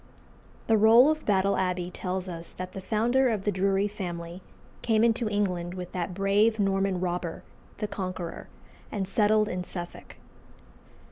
The Roll of Battle Abbey tells us that the founder of the Drury family came into England with that brave Norman robber, the Conqueror, and settled in Suffolk.